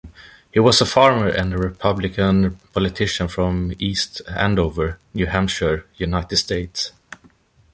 He was a farmer and Republican politician from East Andover, New Hampshire, United States.